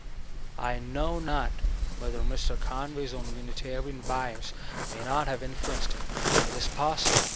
I know not whether Mr. Gmway's own Unitarian bias may not have influenced him ; it is possible.